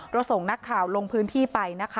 เราส่งนักข่าวลงพื้นที่ไป